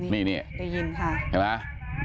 นี่นี่ได้ยินค่ะใช่ไหม